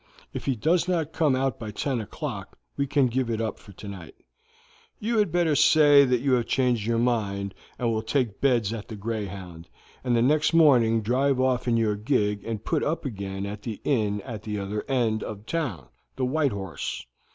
If he does not come out by ten o'clock we can give it up for tonight. You had better say that you have changed your mind, and will take beds at the Greyhound; and the next morning drive off in your gig and put up again at the inn at the other end of the town, the White Horse.